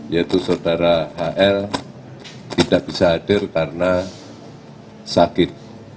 yaitu saudara hl tidak bisa hadir karena sakit